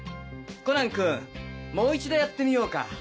コナン君もう一度やってみようか？